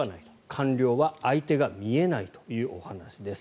官僚は相手が見えないというお話です。